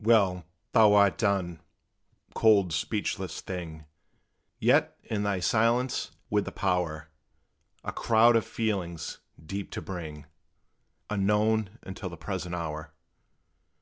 Well, thou art done, cold, speechless thing; Yet, in thy silence, with the power A crowd of feelings deep to bring Unknown until the present hour.